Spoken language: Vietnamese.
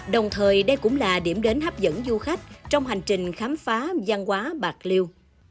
đồng thời đây cũng là điểm đến hấp dẫn du khách trong hành trình khám phá gian quá bạc liêu